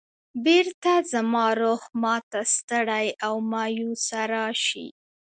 بېرته زما روح ما ته ستړی او مایوسه راشي.